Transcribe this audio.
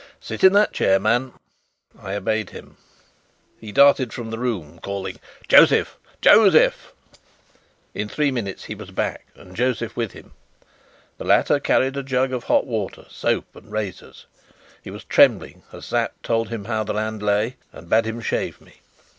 Sit in that chair, man." I obeyed him. He darted from the room, calling "Josef! Josef!" In three minutes he was back, and Josef with him. The latter carried a jug of hot water, soap and razors. He was trembling as Sapt told him how the land lay, and bade him shave me.